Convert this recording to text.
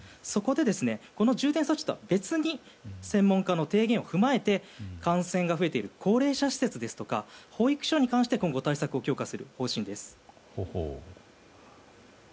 そこで、この重点措置とは別に専門家の提言を踏まえて感染が増えている高齢者施設ですとか保育所に関して今後、対策を強化する方針です。